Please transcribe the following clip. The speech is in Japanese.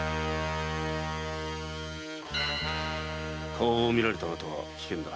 顔を見られたあなたは危険だ。